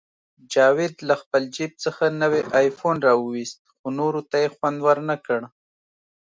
جاوید له خپل جیب څخه نوی آیفون راوویست، خو نورو ته یې خوند ورنکړ